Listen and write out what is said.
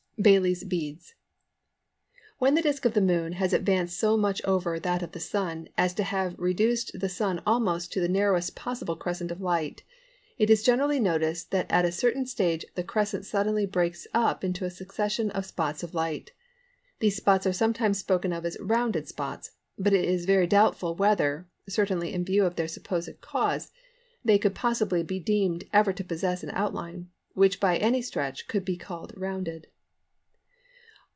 BAILY'S BEADS. When the disc of the Moon has advanced so much over that of the Sun as to have reduced the Sun almost to the narrowest possible crescent of light, it is generally noticed that at a certain stage the crescent suddenly breaks up into a succession of spots of light. These spots are sometimes spoken of as "rounded" spots, but it is very doubtful whether (certainly in view of their supposed cause) they could possibly be deemed ever to possess an outline, which by any stretch, could be called "rounded."